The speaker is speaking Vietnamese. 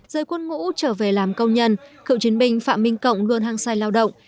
giới quân ngũ trở về làm công nhân cựu chiến binh phạm minh cộng luôn hăng sai lao động